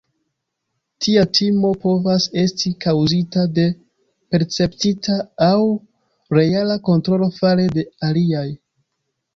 Tia timo povas esti kaŭzita de perceptita aŭ reala kontrolo fare de aliaj.